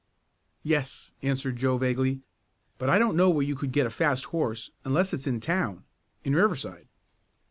"Yes," answered Joe vaguely. "But I don't know where you could get a fast horse unless it's in town in Riverside."